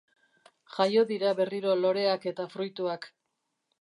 Jaio dira berriro loreak eta fruituak.